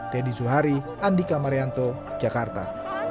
teddy zuhari andika marianto jakarta